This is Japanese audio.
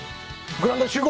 グラウンド集合？